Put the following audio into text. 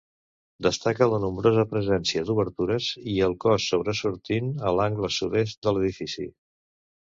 Destaca la nombrosa presència d'obertures i el cos sobresortint a l'angle sud-est de l'edifici.